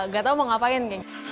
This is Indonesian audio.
gak tahu mau ngapain